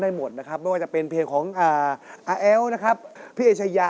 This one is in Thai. แตกบนที่นอนเลย